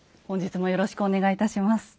本日もよろしくお願いいたします。